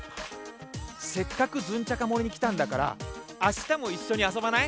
せっかくズンチャカもりにきたんだからあしたもいっしょにあそばない？